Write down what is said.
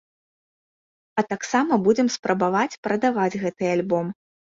А таксама будзем спрабаваць прадаваць гэты альбом.